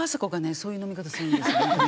そういう飲み方するんですよね。